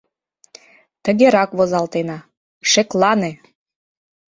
Тыгерак возалтена: «Шеклане!